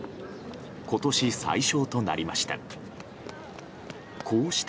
今年最少となりました。